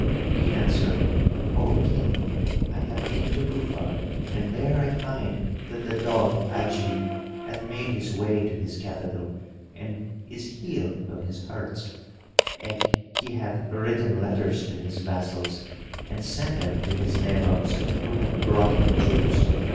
He answered, "O King, I have been to Cufa and there I find that the dog Ajib hath made his way to his capital and is healed of his hurts: eke, he hath written letters to his vassals and sent them to his Nabobs who have brought him troops."